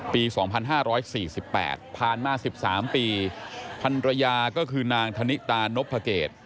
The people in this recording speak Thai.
ปี๒๕๔๘ผ่านมา๑๓ปีพันรยาก็คือนางธนิตานพเกต